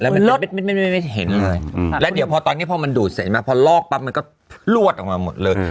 มันไม่เห็นเลยแล้วเดี๋ยวพอตอนนี้พอมันดูดเสร็จไหมพอลอกปั๊บมันก็ลวดออกมาหมดเลย